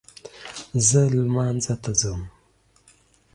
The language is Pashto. زه لمانځه ته ځم